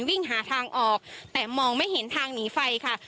วิ่งหาทางออกแต่มองไม่เห็นทางหนีไฟค่ะ